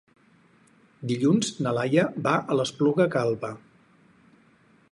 Dilluns na Laia va a l'Espluga Calba.